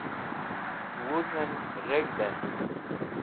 Wuzẽm reg̃hdẽ